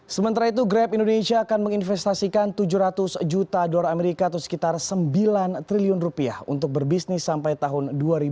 sementara itu grab indonesia akan menginvestasikan tujuh ratus juta dolar amerika atau sekitar sembilan triliun rupiah untuk berbisnis sampai tahun dua ribu dua puluh